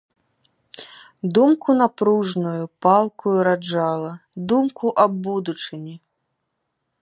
Думку напружную, палкую раджала, думку аб будучыні.